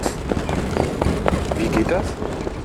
Wie geht das?